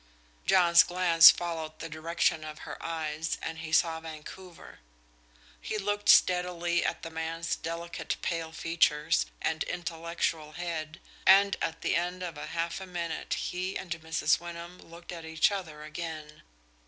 John's glance followed the direction of her eyes, and he saw Vancouver. He looked steadily at the man's delicate pale features and intellectual head, and at the end of half a minute he and Mrs. Wyndham looked at each other again.